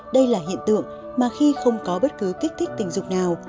đây là hiện tượng mà khi không có bất cứ kích thích tình dục nào